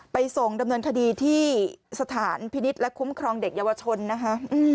ส่งดำเนินคดีที่สถานพินิษฐ์และคุ้มครองเด็กเยาวชนนะคะ